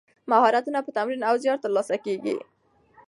مهارتونه په تمرین او زیار ترلاسه کیږي.